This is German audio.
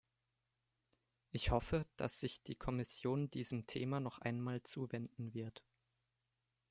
Ich hoffe, dass sich die Kommission diesem Thema noch einmal zuwenden wird.